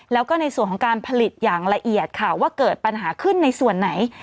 แล้วก็ในส่วนของการผลิตอย่างละเอียดค่ะว่าเกิดปัญหาขึ้นในส่วนไหน